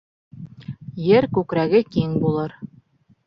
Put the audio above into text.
Ер күкрәге киң булыр